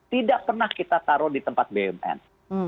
tidak pernah kita taruh di tempat bumn